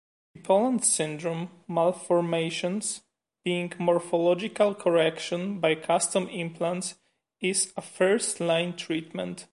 The Poland syndrome malformations being morphological, correction by custom implant is a first-line treatment.